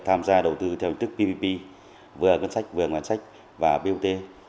tham gia đầu tư theo hình thức tpp vừa ngân sách vừa ngoài ngân sách và bot